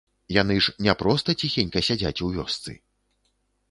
Яны ж не проста ціхенька сядзяць у вёсцы.